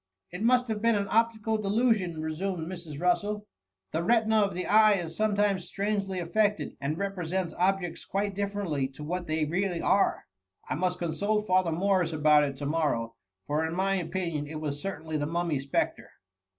It must have been an optical delusion,*" 808 THE MUMMT. resumed Mrs. Russel ;'^ the retina of the eye is sometimes strangely affected, and represents objects quite different to what they really are.^ I must. consult Father Morris about it to morrow, for in my opinion it was certainly the Mummy spectre.''